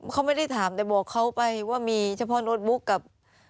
เขาไม่ได้ถามแต่บอกเขาไปว่ามีเฉพาะโน้ตบุ๊กกับ